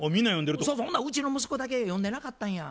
そうそうほんならうちの息子だけ読んでなかったんや。